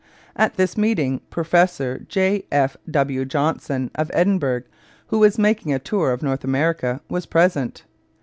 At this meeting Professor J. F. W. Johnson, of Edinburgh, who was making a tour of North America, was present.